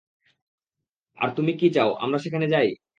আর তুমি কি চাও আমরা সেখানে যাই?